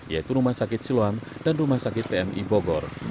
yaitu rumah sakit siloam dan rumah sakit pmi bogor